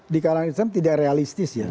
di kalangan islam tidak realistis ya